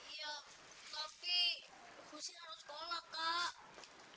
kamu kamu tak apa apaan kak